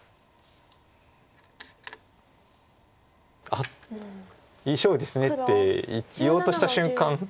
あっ「いい勝負です」って言おうとした瞬間。